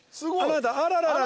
あらららら。